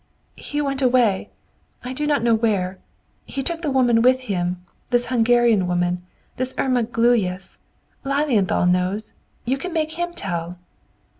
"He went away; I do not know where; and took the woman with him, this Hungarian woman, this Irma Gluyas! Lilienthal knows; you can make him tell."